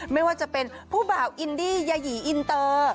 ไม่ว่าจะเป็นผู้บ่าวอินดี้ยาหยีอินเตอร์